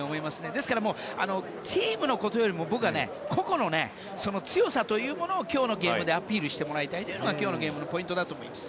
ですから、チームのことよりも僕は個々の強さを今日のゲームでアピールしてもらいたいのが今日のゲームのポイントだと思います。